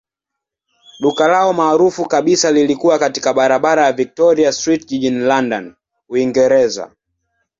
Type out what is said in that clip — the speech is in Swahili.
Duka lao maarufu kabisa lilikuwa katika barabara ya Victoria Street jijini London, Uingereza.